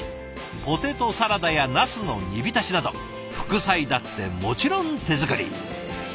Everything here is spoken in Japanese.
ポテトサラダやなすの煮浸しなど副菜だってもちろん手作り。